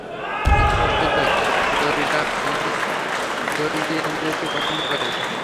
স্পষ্টতই, ফ্লোরিডা আমাদের জর্জিয়ানদেরকে পছন্দ করে না।